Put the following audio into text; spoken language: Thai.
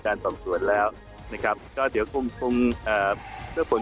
สอบสวนแล้วนะครับก็เดี๋ยวคงคงเอ่อเพื่อผล